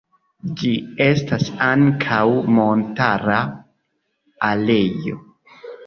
Ĝi estas ankaŭ montara areo.